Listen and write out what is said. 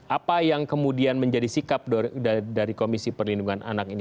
apa yang kemudian menjadi sikap dari komisi perlindungan anak ini